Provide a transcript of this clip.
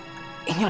ini ada bekasnya bu